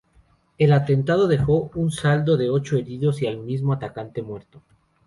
El atentado dejó un saldo de ocho heridos y al mismo atacante muerto.